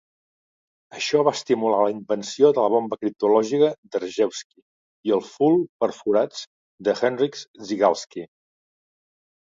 Això va estimular la invenció de la bomba criptològica de Rejewski i els fuls perforats de Henryk Zygalski.